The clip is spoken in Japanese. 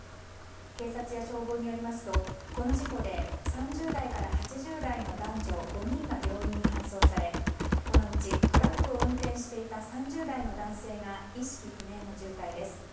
警察や消防によりますとこの事故で３０代から８０代の男女５人が病院に搬送されこのうちトラックを運転していた３０代の男性が意識不明の重体です。